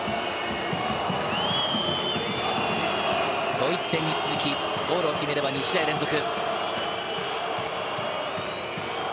ドイツ戦に続きゴールを決めれば、２試合連続。